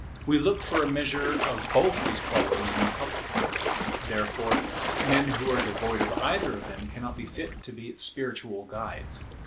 We look for a measure of both these qualities in the public; therefore men who are devoid of either of them cannot be fit to be its spiritual guides.